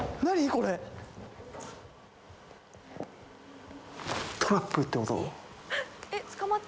これトラップってこと？